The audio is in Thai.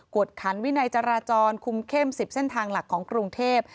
วดขันวินัยจราจรคุมเข้ม๑๐เส้นทางหลักของกรุงเทพ